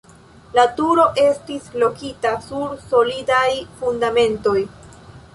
La turo estis lokita sur solidaj fundamentoj.